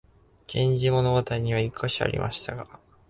「源氏物語」には一カ所ありましたが、